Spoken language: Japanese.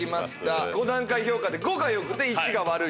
５段階評価で５が良くて１が悪いと。